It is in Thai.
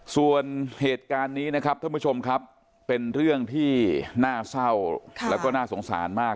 ส่วนเหตุการณ์นี้นะครับท่านผู้ชมครับเป็นเรื่องที่น่าเศร้าแล้วก็น่าสงสารมาก